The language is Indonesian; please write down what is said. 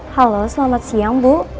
halo selamat siang bu